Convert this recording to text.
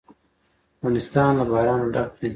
افغانستان له باران ډک دی.